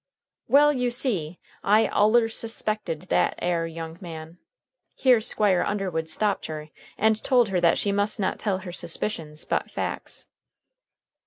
"Well, you see, I allers suspected that air young man " Here Squire Underwood stopped her, and told her that she must not tell her suspicions, but facts.